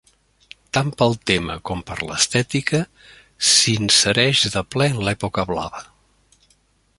Tant pel tema com per l'estètica, s'insereix de ple en l'època Blava.